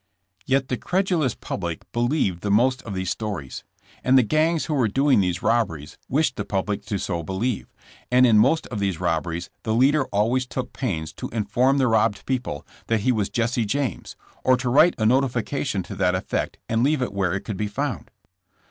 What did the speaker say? Yet the credulous public believed the most of these stories. And the gangs who were doing these robberies wished the public to so believe, and in most of these robberies the leader always took pains to inform the robbed people that he was Jesse James, or to write a notification to that effect and leave it where it could be found.